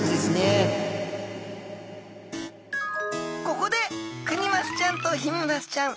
ここでクニマスちゃんとヒメマスちゃん